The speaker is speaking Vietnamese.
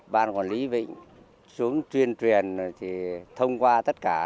ban quản lý vịnh xuống tuyên truyền thì thông qua tất cả